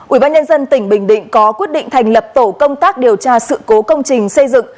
ủy ban nhân dân tỉnh bình định có quyết định thành lập tổ công tác điều tra sự cố công trình xây dựng